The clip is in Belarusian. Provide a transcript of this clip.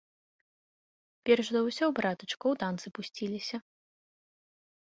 Перш за ўсё, братачка, у танцы пусціліся.